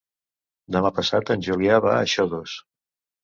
Demà passat en Julià va a Xodos.